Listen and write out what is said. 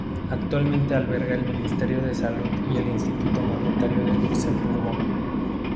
Actualmente alberga el Ministerio de Salud y el Instituto Monetario de Luxemburgo.